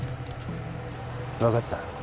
分かった